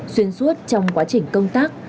xuyên suốt trong quá trình công tác